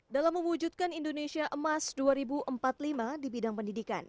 dalam mewujudkan indonesia emas dua ribu empat puluh lima di bidang pendidikan